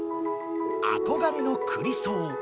「あこがれのクリソー」